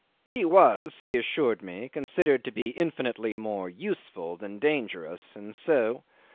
He was he assured me considered to be infinitely more useful than dangerous, and so